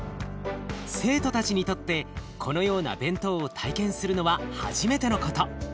生徒たちにとってこのような弁当を体験するのは初めてのこと。